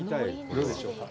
どうでしょうか。